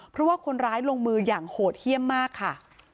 เพราะว่าคนร้ายลงมืออย่างโหดเยี่ยมมากค่ะ